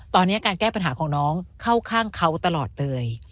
ตอนนี้การแก้ปัญหาของน้องเข้าข้างเขาตลอดเลย